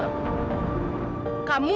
kamu gak punya pilihan